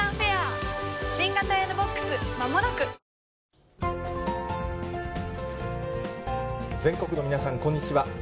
これ、全国の皆さん、こんにちは。